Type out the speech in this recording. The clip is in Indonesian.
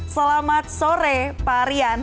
selamat sore pak rian